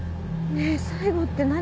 ねえ最後って何？